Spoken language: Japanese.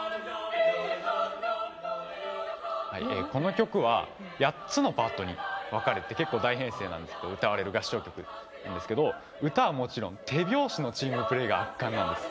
この曲は８つのパートに分かれて歌われる合唱曲なんですけど歌はもちろん手拍子のチームプレーが圧巻です。